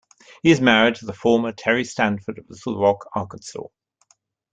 He is married to the former Terry Stanford of Little Rock, Arkansas.